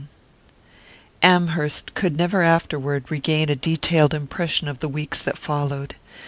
VII AMHERST could never afterward regain a detailed impression of the weeks that followed.